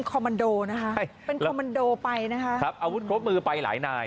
คอมมันโดนะคะเป็นคอมมันโดไปนะคะครับอาวุธครบมือไปหลายนาย